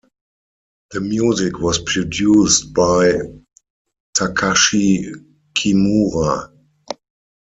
The music was produced by Takashi Kimura.